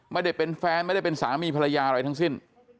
ไม่ได้เป็นแฟนไม่ได้เป็นสามีภรรยาอะไรทั้งสิ้น